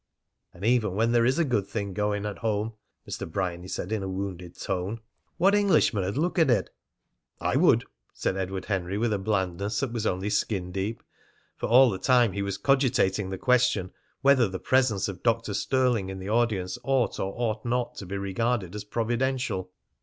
"And even when there is a good thing going at home," Mr. Bryany said, in a wounded tone, "what Englishman'd look at it?" "I would," said Edward Henry with a blandness that was only skin deep, for all the time he was cogitating the question whether the presence of Dr. Stirling in the audience ought or ought not to be regarded as providential.